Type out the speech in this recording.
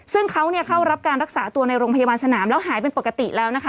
ซึ่งเขาเข้ารับการรักษาตัวในโรงพยาบาลสนามแล้วหายเป็นปกติแล้วนะคะ